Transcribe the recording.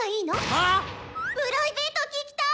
はっ⁉プライベート聞きたい！